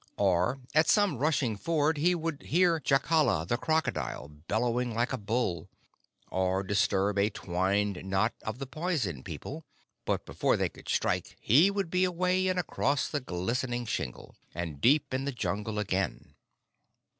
Or at some rushing ford he would hear Jacala the Crocodile bellowing like a bull, or disturb a twined knot of the Poison People, but before they could strike he would be away and across the glistening shingle, deep in the Jungle again.